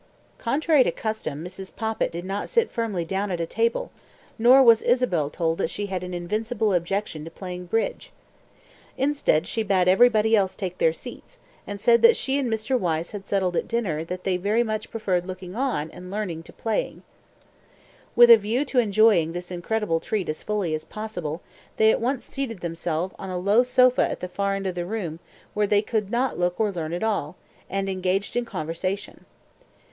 Contrary to custom Mrs. Poppit did not sit firmly down at a table, nor was Isabel told that she had an invincible objection to playing bridge. Instead she bade everybody else take their seats, and said that she and Mr. Wyse had settled at dinner that they much preferred looking on and learning to playing. With a view to enjoying this incredible treat as fully as possible, they at once seated themselves on a low sofa at the far end of the room where they could not look or learn at all, and engaged in conversation.